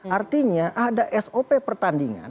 artinya ada sop pertandingan